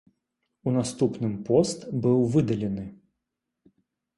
У наступным пост быў выдалены.